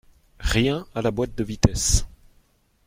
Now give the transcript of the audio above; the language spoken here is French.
Rien à la boîte de vitesse.